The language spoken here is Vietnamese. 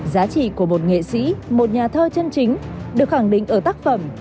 giá trị của một nghệ sĩ một nhà thơ chân chính được khẳng định ở tác phẩm